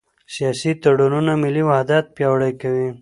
سیاسي تړونونه ملي وحدت پیاوړی کوي